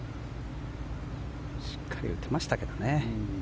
しっかり打てましたけどね。